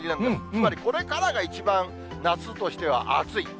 つまりこれからが一番夏としては暑い。